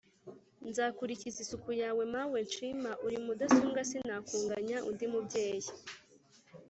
Nzakurikiza isuku yaweMawe nshima uri MudasumbwaSinakunganya undi mubyeyi